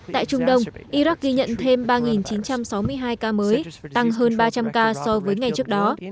tại trung đông iraq ghi nhận thêm ba chín trăm sáu mươi hai ca mới tăng hơn ba trăm linh ca so với ngày trước đó